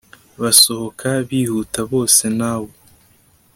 basohoka bihuta, bose nawe